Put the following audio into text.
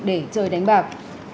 để chơi đánh bạc